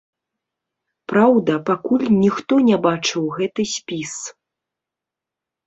Праўда, пакуль ніхто не бачыў гэты спіс.